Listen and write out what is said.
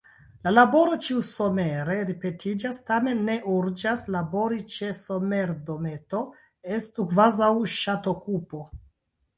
La laboro ĉiusomere ripetiĝas, tamen ne urĝas: labori ĉe somerdometo estu kvazaŭ ŝatokupo.